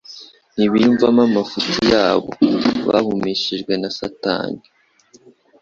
ntibiyumvamo amafuti yabo. Bahumishijwe na Satani,